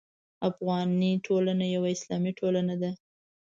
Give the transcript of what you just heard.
افغاني ټولنه یوه اسلامي ټولنه ده.